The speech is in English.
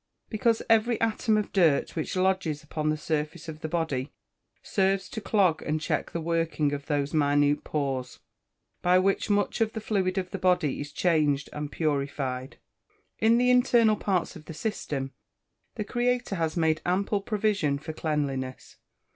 _ Because every atom of dirt which lodges upon the surface of the body serves to clog and check the working of those minute pores, by which much of the fluid of the body is changed and purified. In the internal parts of the system, the Creator has made ample provision for cleanliness.